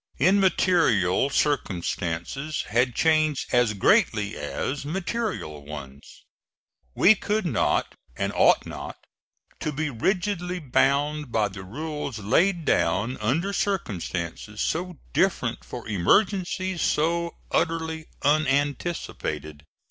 Immaterial circumstances had changed as greatly as material ones. We could not and ought not to be rigidly bound by the rules laid down under circumstances so different for emergencies so utterly unanticipated.